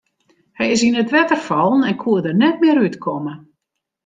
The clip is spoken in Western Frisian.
Hy is yn it wetter fallen en koe der net mear út komme.